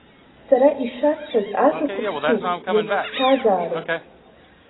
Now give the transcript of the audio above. Сара ишәасҳәаз ажәақәа ԥсуп иагьԥсҭазаароуп.